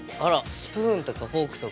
スプーンとかフォークとか。